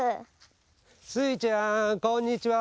スイちゃんこんにちは。